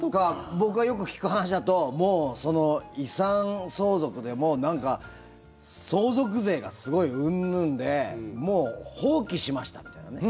僕がよく聞く話だと遺産相続で相続税がすごいうんぬんでもう放棄しましたみたいなね。